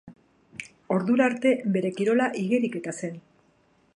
Ordura arte, bere kirola igeriketa zen.